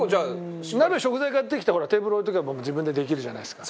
長嶋：鍋、食材買ってきてほら、テーブル置いとけば自分でできるじゃないですか。